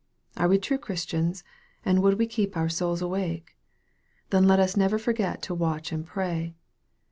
Are we true Christians, and would we keep our souls awake ? Then let us never forget to "watch and pray."